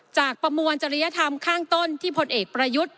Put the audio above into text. ประมวลจริยธรรมข้างต้นที่พลเอกประยุทธ์